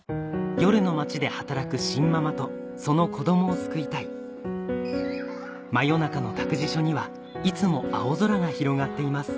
夜の街で働くシンママとその子供を救いたい真夜中の託児所にはいつも青空が広がっています